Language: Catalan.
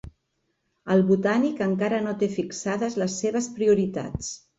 El Botànic encara no té fixades les seves prioritats